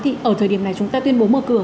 thì ở thời điểm này chúng ta tuyên bố mở cửa